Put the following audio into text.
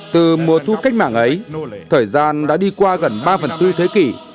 từ mùa thu cách mạng ấy thời gian đã đi qua gần ba phần tư thế kỷ